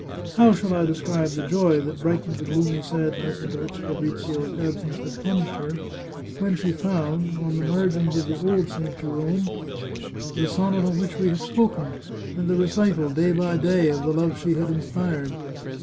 How shall I describe the joy that brightened the gloomy sadness into which Fabrizio's absence had plunged her, when she found, on the margins of the old St. Jerome, the sonnet of which we have spoken, and the recital, day by day, of the love she had inspired